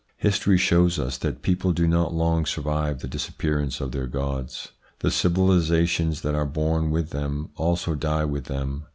History shows us that peoples do not long survive the disappearance of their gods. The civilisations that are born with them also die with them.